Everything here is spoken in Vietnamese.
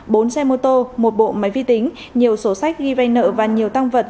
bốn xe mô tô một bộ máy vi tính nhiều sổ sách ghi vay nợ và nhiều tăng vật